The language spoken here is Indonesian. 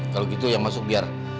kalau gitu yang masuk biar